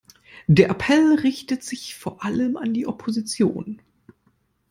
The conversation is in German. Der Appell richtet sich vor allem an die Opposition.